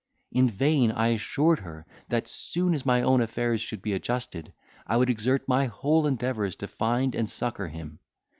In vain I assured her, that, soon as my own affairs should be adjusted, I would exert my whole endeavours to find and succour him.